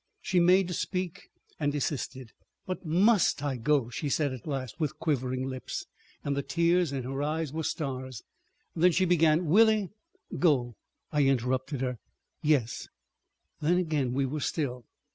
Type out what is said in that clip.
She made to speak and desisted. "But must I go?" she said at last, with quivering lips, and the tears in her eyes were stars. Then she began, "Willie———" "Go!" I interrupted her. ... "Yes." Then again we were still.